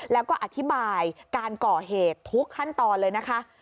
แล้วก็อธิบายการก่อเหตุทุกขั้นตอนเลยนะคะ